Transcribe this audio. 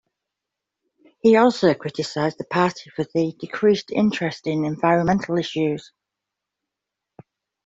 He also criticised the party for its decreased interest in environmental issues.